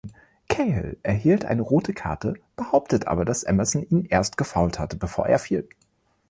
Cahill erhielt eine rote Karte, behauptet aber, dass Emerson ihn erst gefoult hatte, bevor er fiel.